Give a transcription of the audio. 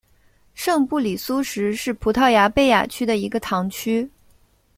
圣布里苏什是葡萄牙贝雅区的一个堂区。